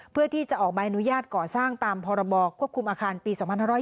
เพื่อที่จะออกใบอนุญาตก่อสร้างตามพรบควบคุมอาคารปี๒๕๖๒